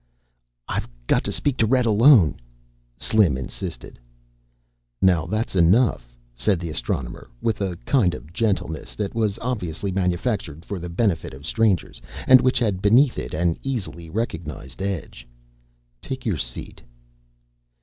"I've got to speak to Red alone," Slim insisted. "Now that's enough," said the Astronomer with a kind of gentleness that was obviously manufactured for the benefit of strangers and which had beneath it an easily recognized edge. "Take your seat."